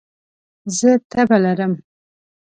زه تبه لرم